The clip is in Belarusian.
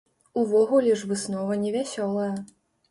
Увогуле ж выснова невясёлая.